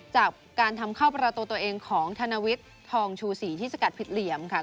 จากการทำเข้าประตูตัวเองของธนวิทย์ทองชูศรีที่สกัดผิดเหลี่ยมค่ะ